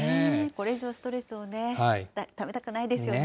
これ以上ストレスをね、ためたくないですよね。